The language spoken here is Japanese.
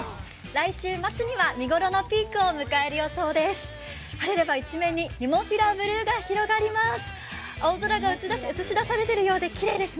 来週末には見頃のピークを迎える予想です。